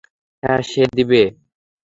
হ্যাঁ, সে দিবে।